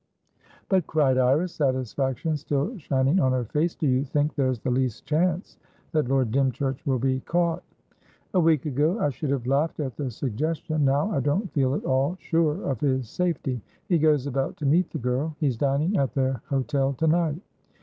"But," cried Iris, satisfaction still shining on her face, "do you think there's the least chance that Lord Dymchurch will be caught?" "A week ago, I should have laughed at the suggestion. Now, I don't feel at all sure of his safety. He goes about to meet the girl. He's dining at their hotel to night."